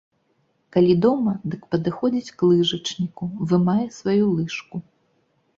Калі дома, дык падыходзіць к лыжачніку, вымае сваю лыжку.